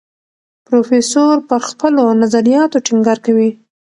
پروفیسور پر خپلو نظریاتو ټینګار کوي.